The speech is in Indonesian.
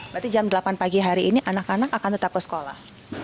berarti jam delapan pagi hari ini anak anak akan tetap ke sekolah